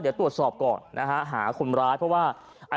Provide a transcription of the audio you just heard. เดี๋ยวตรวจสอบก่อนนะฮะหาคนร้ายเพราะว่า